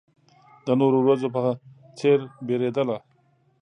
د نورو ورځو په څېر وېرېدله.